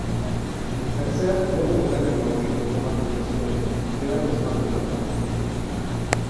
Jertseak modu mekanikoan egiteko makina zuen, berak asmatutakoa.